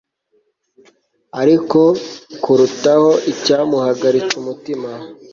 Ariko kurutaho icyamuhagaritsumutima